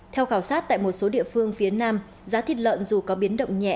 theo khảo sát tại một số địa phương phía nam giá thịt lợn dù có biến động nhẹ